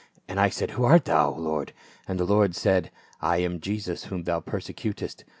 And I said, Who art thou, Lord ? And the Lord said, I am Jesus whom thou persecutest.